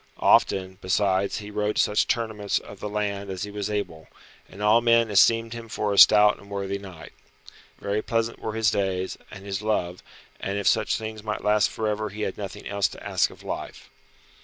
Often, besides, he rode to such tournaments of the land as he was able, and all men esteemed him for a stout and worthy knight. Very pleasant were his days, and his love, and if such things might last for ever he had nothing else to ask of life.